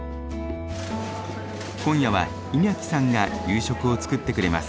今夜はイニャキさんが夕食を作ってくれます。